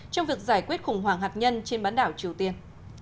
trong việc giải quyết khủng hoảng hạt nhân trên bán đảo triều tiên